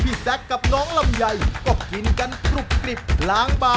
พบกันใหม่นะครับ